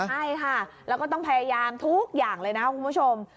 ใช่ค่ะแล้วก็ต้องพยายามทุกอย่างเลยนะคุณผู้ชม